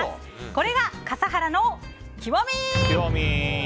これが笠原の極み。